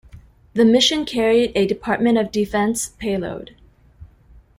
The mission carried a Department of Defense payload.